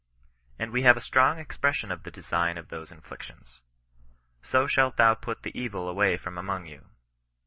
And we nave a strong expression of the design of those inflic tions :—*^ So shalt thou put the evil away from among you."